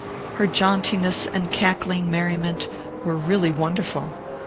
Her jauntiness and cackling merriment were really wonderful.